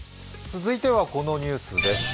続いてはこのニュースです。